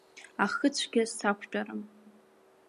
Ахыцәгьа сақәтәарым.